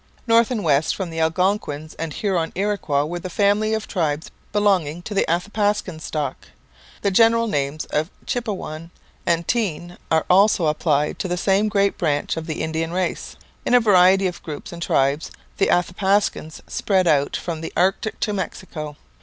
North and west from the Algonquins and Huron Iroquois were the family of tribes belonging to the Athapascan stock. The general names of Chipewyan and Tinne are also applied to the same great branch of the Indian race. In a variety of groups and tribes, the Athapascans spread out from the Arctic to Mexico.